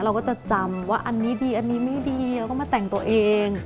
เราก็จะจำว่าอันนี้ดีอันนี้ไม่ดีเราก็มาแต่งตัวเอง